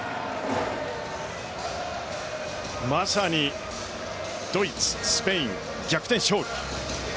まさにドイツ、スペイン逆転勝利。